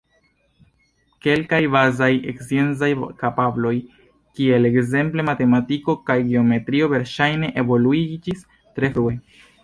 Kelkaj bazaj sciencaj kapabloj, kiel ekzemple matematiko kaj geometrio, verŝajne evoluiĝis tre frue.